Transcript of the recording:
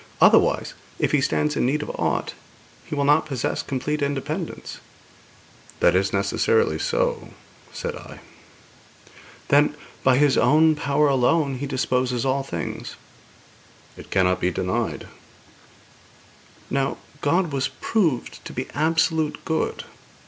Otherwise, if He stands in need of aught, He will not possess complete independence.' 'That is necessarily so,' said I. 'Then, by His own power alone He disposes all things.' 'It cannot be denied.' 'Now, God was proved to be absolute good.'